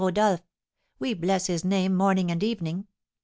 Rodolph, we bless his name morning and evening.